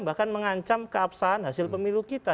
bahkan mengancam keabsahan hasil pemilu kita